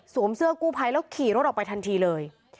เสื้อกู้ภัยแล้วขี่รถออกไปทันทีเลย